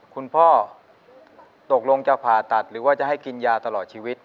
คุณพ่อตกลงจะผ่าตัดหรือว่าจะให้กินยาตลอดชีวิต